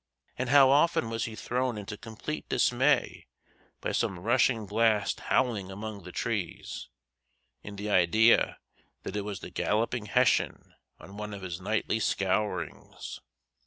And how often was he thrown into complete dismay by some rushing blast howling among the trees, in the idea that it was the Galloping Hessian on one of his nightly scourings!